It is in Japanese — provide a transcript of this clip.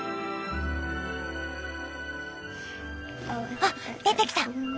あっ出てきた。